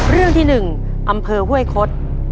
เรื่องที่หนึ่งอำเภอเว้ยคด